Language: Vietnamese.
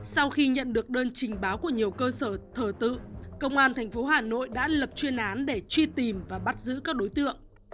sau khi nhận được đơn trình báo của nhiều cơ sở thờ tự công an tp hà nội đã lập chuyên án để truy tìm và bắt giữ các đối tượng